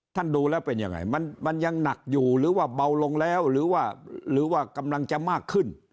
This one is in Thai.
ดูแล้วเป็นยังไงมันยังหนักอยู่หรือว่าเบาลงแล้วหรือว่ากำลังจะมากขึ้น